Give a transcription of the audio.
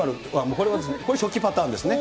これはですね、これは初期パターンですね。